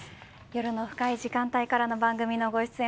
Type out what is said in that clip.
夜の深い時間からの番組のご出演